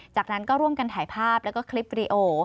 จากนั้นก็ร่วมกันถ่ายภาพแล้วก็คลิปวีดีโอ